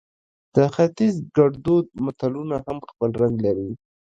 د ختیز ګړدود متلونه هم خپل رنګ لري